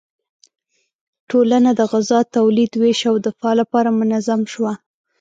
ټولنه د غذا تولید، ویش او دفاع لپاره منظم شوه.